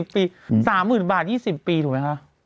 อ๋อ๒๐ปี๓๐๐๐๐บาท๒๐ปีถูกไหมคะ